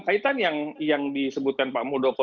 kaitan yang disebutkan pak muldoko